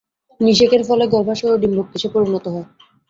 নিষেকের ফলে গর্ভাশয় ও ডিম্বক কিসে পরিণত হয়?